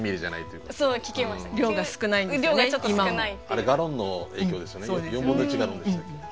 あれガロンの影響ですよね。